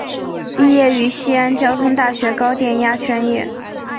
毕业于西安交通大学高电压专业。